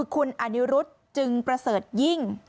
คุณอนิรุธจึงประเสริฐยิ่ง